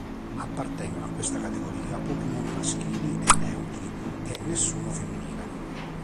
Appartengono a questa categoria pochi nomi maschili e neutri, e nessuno femminile.